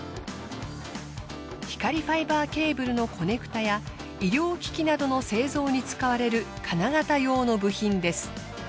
光ファイバーケーブルのコネクタや医療機器などの製造に使われる金型用の部品です。